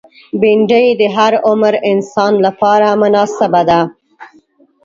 بېنډۍ د هر عمر انسان لپاره مناسبه ده